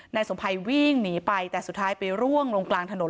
นายสมภัยวิ่งหนีไปแต่สุดท้ายไปร่วงลงกลางถนน